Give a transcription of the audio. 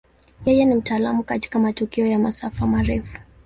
Yeye ni mtaalamu katika matukio ya masafa marefu.